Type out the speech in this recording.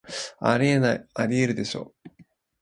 あり得ない、アリエールでしょ